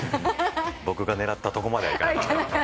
僕が狙ったとこまではいかなかった。